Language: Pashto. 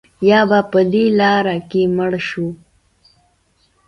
یا به په دې لاره کې مړه شو.